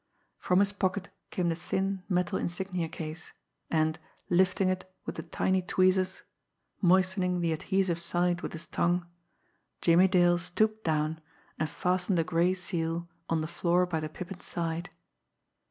From his pocket came the thin, metal insignia case; and, lifting it with the tiny tweezers, moistening the adhesive side with his tongue, Jimmie Dale stooped down and fastened a gray seal on the floor by the Pippin's side.